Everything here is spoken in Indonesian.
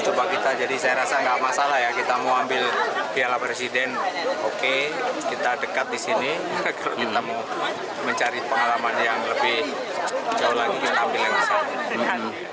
sebagai hujan akhir dari satu tying semesta ini